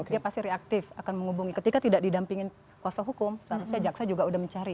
dia pasti reaktif akan menghubungi ketika tidak didampingin kuasa hukum seharusnya jaksa juga udah mencari